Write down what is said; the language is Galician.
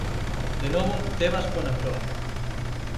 De novo, Tebas pon a proa.